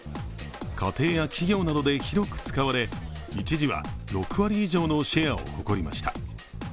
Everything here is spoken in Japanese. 家庭や企業などで広く使われ、一時は、６割以上のシェアを誇りました。